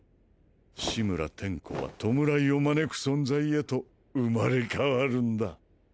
志村転弧は弔いを招く存在へと生まれ変わるんだ！